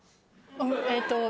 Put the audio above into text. えっと。